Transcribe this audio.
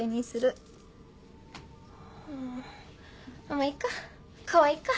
まあいっか。かわいいか。